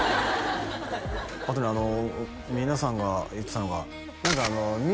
あとね皆さんが言ってたのが何かＭ！